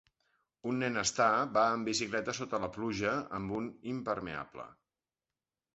Un nen està va en bicicleta sota la pluja amb un impermeable.